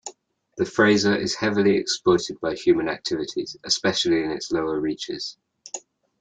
The Fraser is heavily exploited by human activities, especially in its lower reaches.